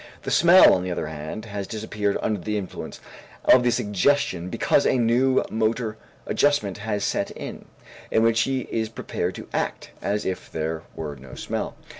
The smell, on the other hand, has disappeared under the influence of the suggestion because a new motor adjustment has set in, in which he is prepared to act as if there were no smell.